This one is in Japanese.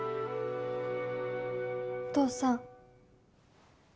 お父さん。